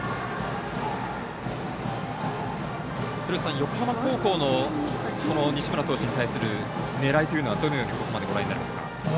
横浜高校の西村投手に対する狙いというのは、どのようにここまでご覧になりますか？